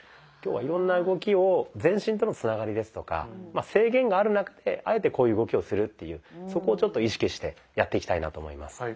今日はいろんな動きを全身とのつながりですとか制限がある中であえてこういう動きをするっていうそこをちょっと意識してやっていきたいなと思います。